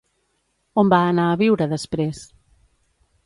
On va anar a viure després?